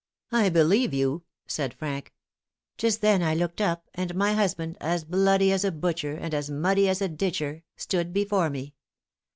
"'I believe you,' said Frank. Just then I looked up, and my husband, as bloody as a butcher, and as muddy as a ditcher, * stood before me.